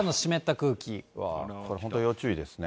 これ、本当、要注意ですね。